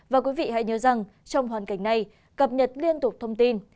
và quý vị hãy nhớ rằng trong hoàn cảnh này cập nhật liên tục thông tin